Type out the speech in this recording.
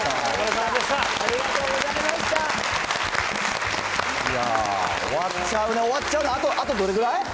いやー、終わっちゃうね、終わっちゃうね、あとどれぐらい？